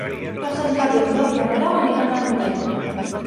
Per Sant Jordi en Llop i en Grau aniran al Morell.